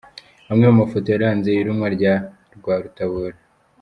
Amwe mu mafoto yaranze irumwa rya Rwarutabura.